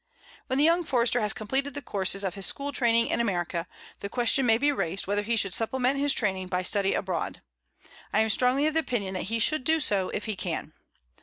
When the young Forester has completed the courses of his school training in America, the question may be raised whether he should supplement his training by study abroad. I am strongly of opinion that he should do so if he can.